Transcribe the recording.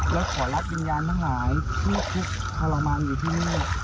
และขอรับวิญญาณทั้งหลายที่ทุกข์ทรมานอยู่ที่นี่